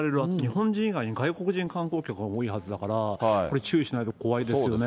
当然観光で行かれる日本人以外に外国人観光客が多いはずだから、これ、注意しないと怖いですよね。